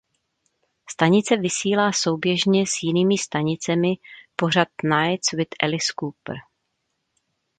Stanice vysílá souběžně s jinými stanicemi pořad "Nights with Alice Cooper".